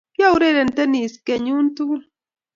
kiaureren teniis kenyu tukul